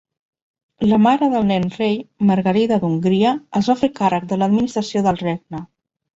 La mare del nen rei, Margarida d'Hongria, es va fer càrrec de l'administració del regne.